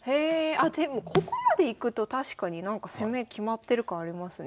あっでもここまでいくと確かに攻め決まってる感ありますね。